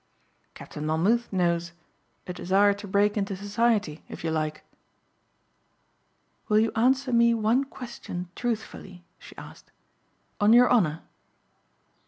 "Captain Monmouth knows. A desire to break into society if you like." "Will you answer me one question truthfully," she asked, "on your honor?"